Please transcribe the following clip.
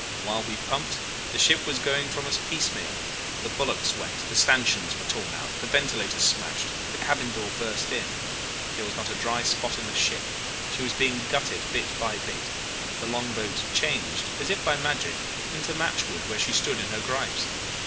And while we pumped the ship was going from us piecemeal: the bulwarks went, the stanchions were torn out, the ventilators smashed, the cabin door burst in. There was not a dry spot in the ship. She was being gutted bit by bit. The long boat changed, as if by magic, into matchwood where she stood in her gripes.